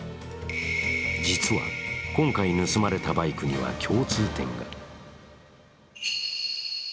実は今回盗まれたバイクには共通点が。